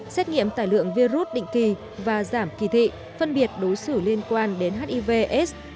xét nghiệm tài lượng virus định kỳ và giảm kỳ thị phân biệt đối xử liên quan đến hiv aids